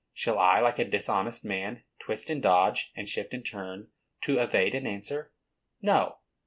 Shall I, like a dishonest man, twist and dodge, and shift and turn, to evade an answer? No.